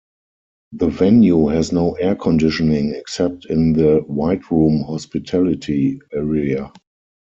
The venue has no air-conditioning except in the "Whiteroom" hospitality area.